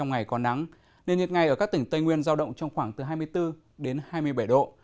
những ngày ở các tỉnh tây nguyên giao động trong khoảng từ hai mươi bốn đến hai mươi bảy độ